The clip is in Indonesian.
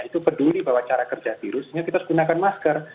itu peduli bahwa cara kerja virusnya kita harus menggunakan masker